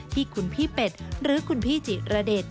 ที่คุณพี่เป็ดหรือคุณพี่จิระเดช